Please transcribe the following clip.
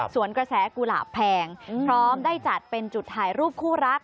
ส่วนกระแสกุหลาบแพงพร้อมได้จัดเป็นจุดถ่ายรูปคู่รัก